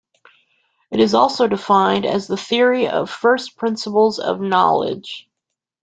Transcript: It is also defined as the theory of first principles of knowledge.